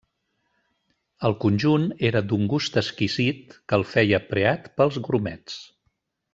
El conjunt era d'un gust exquisit que el feia preat pels gurmets.